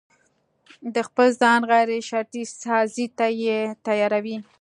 د خپل ځان غيرشرطي سازي ته يې تياروي.